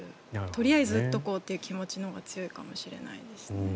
とりあえず打っておこうという気持ちのほうが強いかもしれないです。